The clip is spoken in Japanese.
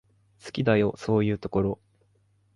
好きだよ、そういうところ。